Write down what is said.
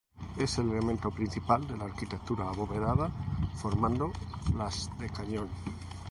Es el elemento principal de la arquitectura abovedada, formando las de cañón.